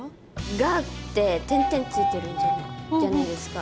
「ガ」って点々付いてるじゃないですか。